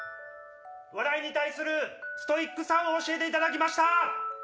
笑いに対するストイックさを教えていただきました。